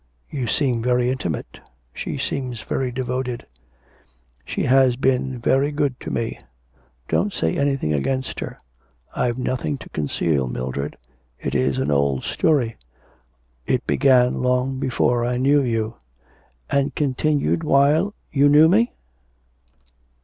'You seem very intimate. ... She seems very devoted.' 'She has been very good to me. ... Don't say anything against her. I've nothing to conceal, Mildred. It is an old story. It began long before I knew you.' 'And continued while you knew me?'